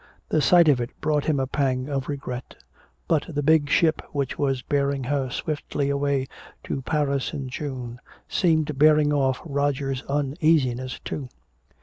The sight of it brought him a pang of regret. But the big ship which was bearing her swiftly away to "Paris in June" seemed bearing off Roger's uneasiness too.